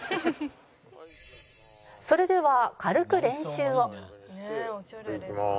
「それでは軽く練習を」いきます。